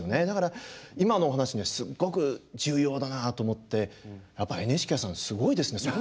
だから今のお話すっごく重要だなと思ってやっぱりＮＨＫさんすごいですね。